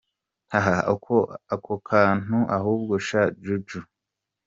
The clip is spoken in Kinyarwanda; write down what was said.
Hahhhhhhh ako kantu ahubwo sha Juju.